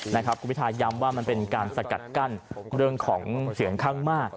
คุณพิทาย้ำว่ามันเป็นการสกัดกั้นเรื่องของเสียงข้างมาก